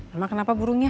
emang kenapa burungnya